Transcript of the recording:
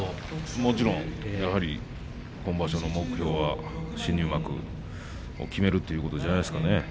もちろん今場所の目標は新入幕を決めるということじゃないですかね。